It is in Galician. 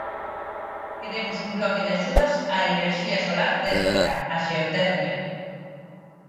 Queremos un bloque de axudas á enerxía solar térmica, á xeotermia.